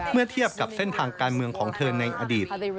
เมื่อเทียบกับเส้นทางการเมืองของเธอในอดีต